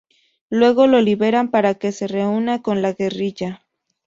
Luego lo liberan para que se reúna con la guerrilla.